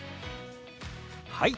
はい！